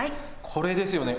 これですよね。